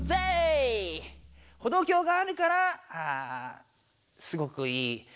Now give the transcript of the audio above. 歩道橋があるからすごくいい。